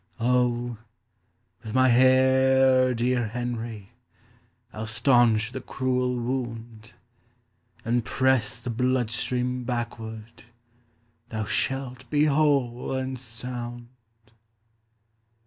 "Oh, with my hair, dear Henry, I'll staunch the cruel wound, And press the blood stream backward; Thou shalt be whole and sound."